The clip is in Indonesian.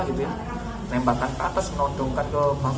kemudian menembakkan ke atas menodongkan ke bawah gitu